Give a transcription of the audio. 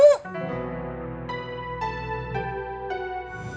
sobri anaknya anaknya